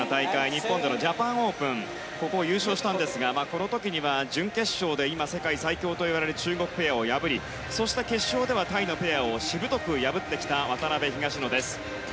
日本でのジャパンオープンで優勝したんですがこの時には、準決勝で今、世界最強といわれる中国ペアを破りそして、決勝ではタイのペアをしぶとく破ってきた渡辺、東野です。